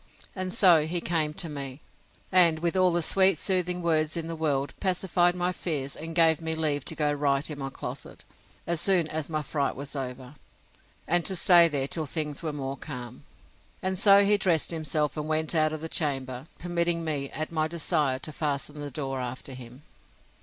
And so he came to me, and, with all the sweet soothing words in the world, pacified my fears, and gave me leave to go to write in my closet, as soon as my fright was over, and to stay there till things were more calm. And so he dressed himself, and went out of the chamber, permitting me, at my desire, to fasten the door after him.